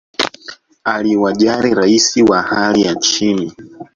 aliwajali rais wa hali ya chini